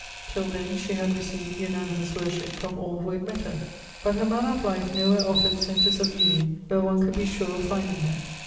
Till then she had received unanimous worship from all who had met her, but her manner of life nowhere offered centres of union where one could be sure of finding her.